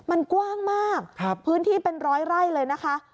มันกว้างมากพื้นที่เป็นร้อยไร่เลยนะคะ